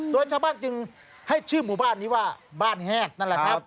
โดยชาวบ้านจึงให้ชื่อหมู่บ้านนี้ว่าบ้านแฮดนั่นแหละครับ